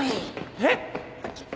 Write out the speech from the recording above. えっ